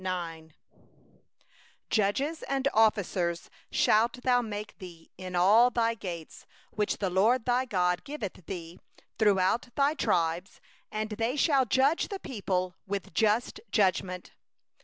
..... 18Judges and officers shalt thou make thee in all thy gates, which the LORD thy God giveth thee, tribe by tribe; and they shall judge the people with righteous judgment.